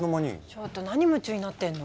ちょっと何夢中になってんの？